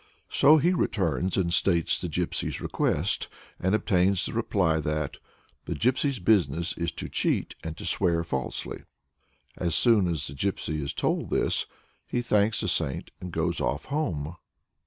So he returns and states the Gypsy's request, and obtains the reply that "the Gypsy's business is to cheat and to swear falsely." As soon as the Gypsy is told this, he thanks the Saint and goes off home.